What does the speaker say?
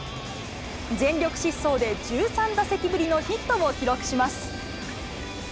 全力疾走で１３打席ぶりのヒットを記録します。